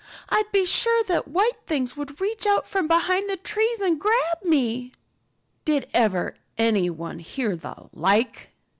I'd be sure that white things would reach out from behind the trees and grab me." "Did ever anyone hear the like!"